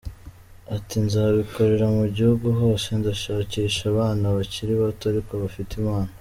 Ati “Nzabikorera mu gihugu hose, ndashakisha abana bakiri bato ariko bafite impano.